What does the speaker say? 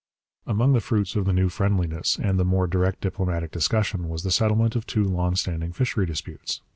Among the fruits of the new friendliness and the more direct diplomatic discussion was the settlement of two long standing fishery disputes.